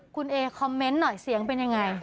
คุณเอคอมเมนต์หน่อยเสียงเป็นยังไง